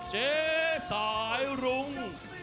เจ๊สายรุ้ง